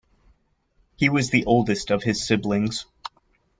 He was the oldest of his siblings.